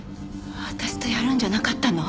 私とやるんじゃなかったの？